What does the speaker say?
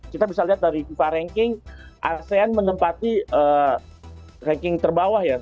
kita bisa lihat dari fifa ranking asean menempati ranking terbawah ya